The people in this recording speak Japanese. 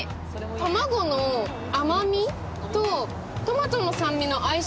卵の甘みとトマトの酸味の相性